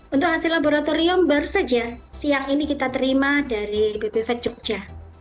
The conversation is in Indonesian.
untuk hasil laboratorium baru saja siang ini kita terima dari bpv jogja